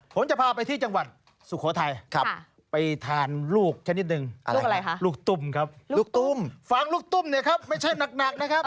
ผมจะพาไปที่จังหวัดสุโขทัยไปทานลูกชนิดหนึ่งอะไรคะลูกตุ้มครับลูกตุ้มฟางลูกตุ้มเนี่ยครับไม่ใช่หนักนะครับ